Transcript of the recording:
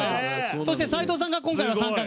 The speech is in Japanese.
そして斉藤さんが今回参加。